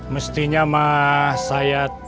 mestinya mah saya